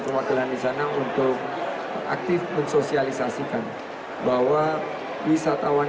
sebaiknya akan diperlakukan sebagai tamu agung